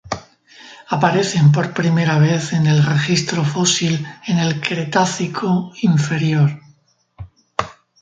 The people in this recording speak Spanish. Aparecen por primera vez en el registro fósil en el Cretácico inferior.